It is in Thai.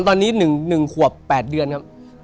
ตอนนี้๑ขวบ๘เดือนครับ